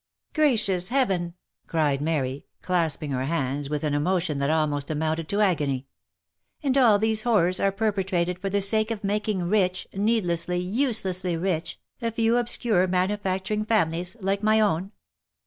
" Gracious Heaven !" cried Mary, clasping her hands with an emotion that almost amounted to agony, " and all these, horrors are perpetrated for the sake of making rich, needlessly, uselessly rich, a few obscure manufacturing families like my own